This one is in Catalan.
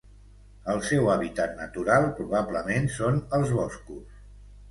El seu hàbitat natural probablement són els boscos.